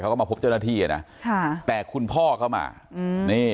เขาก็มาพบเจ้าหน้าที่อ่ะนะค่ะแต่คุณพ่อเข้ามาอืมนี่